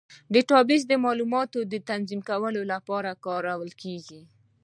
ډیټابیس د معلوماتو تنظیم کولو لپاره کارېږي.